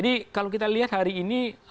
jadi kalau kita lihat hari ini